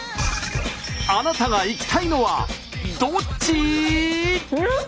あなたが行きたいのはどっち？